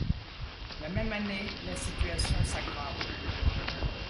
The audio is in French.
La même année la situation s’aggrave.